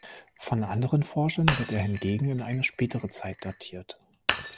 Von anderen Forschern wird er hingegen in eine spätere Zeit datiert.